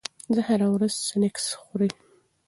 زه هره ورځ سنکس خوري.